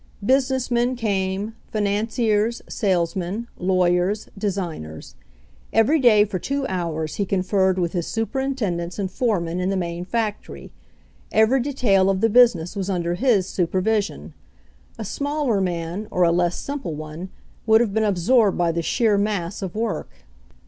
Business men came, financiers, sales men, lawyers, designers. Every day for two hours he conferred with his superintendents and foremen in the main factory. Every detail of the business was under his supervision. A smaller man or a less simple one, would have been absorbed by the sheer mass of work.